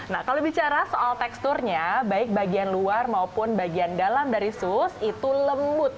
nah kalau bicara soal teksturnya baik bagian luar maupun bagian dalam dari sus itu lembut